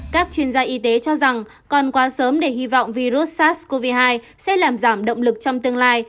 các chuyên gia y tế cho rằng còn quá sớm để hy vọng virus sars cov hai sẽ làm giảm động lực trong tương lai